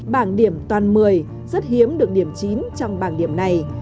bảng điểm toàn một mươi rất hiếm được điểm chín trong bảng điểm này